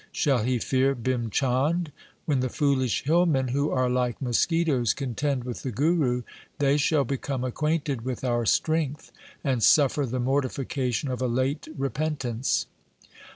Shall he fear Bhim Chand ? When the foolish hillmen who are like mosquitoes contend THE SIKH RELIGION with the Guru, they shall become acquainted with our strength and suffer the mortification of a late repentance.'